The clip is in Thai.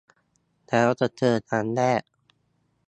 แล้วจะเจอทางแยก